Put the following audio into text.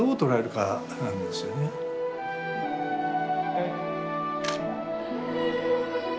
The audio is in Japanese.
・はい。